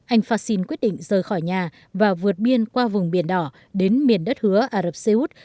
anh fassin quyết định rời khỏi nhà và vượt biên qua vùng biển đỏ đến miền đất hứa ả rập xê út